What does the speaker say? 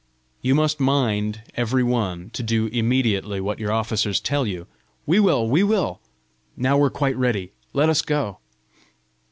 "You must mind, every one, to do immediately what your officers tell you!" "We will, we will! Now we're quite ready! Let us go!"